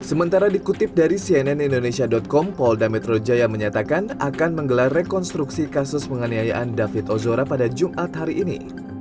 sementara dikutip dari cnnindonesia com paul dametrojaya menyatakan akan menggelar rekonstruksi kasus penganiayaan david ozora pada jumat hari ini